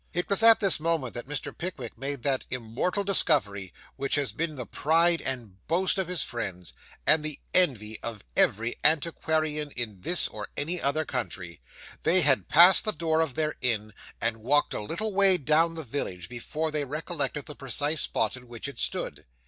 It was at this moment that Mr. Pickwick made that immortal discovery, which has been the pride and boast of his friends, and the envy of every antiquarian in this or any other country. They had passed the door of their inn, and walked a little way down the village, before they recollected the precise spot in which it stood.